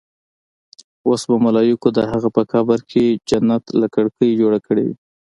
اوس به ملايکو د هغه په قبر کې جنت له کړکۍ جوړ کړې وي.